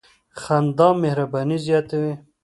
• خندا مهرباني زیاتوي.